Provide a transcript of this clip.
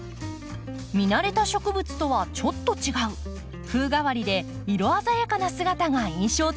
見慣れた植物とはちょっと違う風変わりで色鮮やかな姿が印象的。